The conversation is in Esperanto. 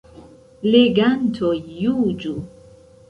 Legantoj juĝu.